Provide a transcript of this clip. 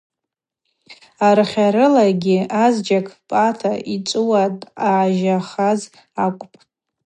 Арахьарылагьи азджьакӏ: Пӏатӏа йчӏвыуа дъажьахаз акӏвпӏ.